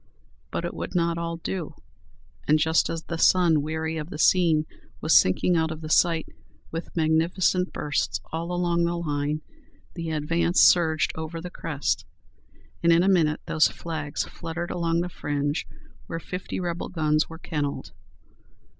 But it would not all do, and just as the sun, weary of the scene, was sinking out of sight, with magnificent bursts all along the line, the advance surged over the crest, and in a minute those flags fluttered along the fringe where fifty rebel guns were, kennelled....